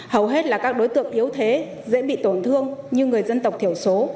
hầu hết là các đối tượng yếu thế dễ bị tổn thương như người dân tộc thiểu số